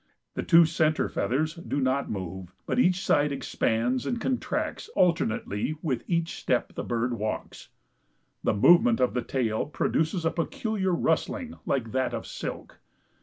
The two center feathers do not move, but each side expands and contracts alternately with each step the bird walks. The movement of the tail produces a peculiar rustling, like that of silk.